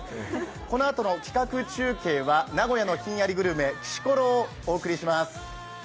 このあとの企画中継は名古屋のひんやりグルメ、きしころをお送りします。